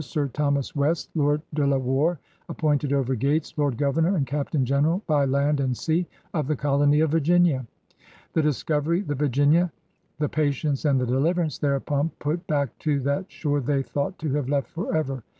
Sir Thomas West, Lord De La Warr, appointed, over Gates, Lord Governor and Captain General, by land and sea, of the Colony of Virginia. The Discovery, the Virginia, the Patience, ajid the Deliverance thereupon put back to that shore they thought to have left forever.